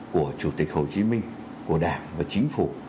của chủ tịch hồ chí minh của đảng và chính phủ